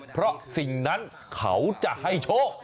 เพราะสิ่งนั้นเขาจะให้โชค